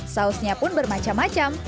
sausnya pun bermacam macam